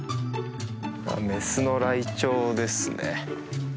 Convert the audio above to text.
メスのライチョウですね。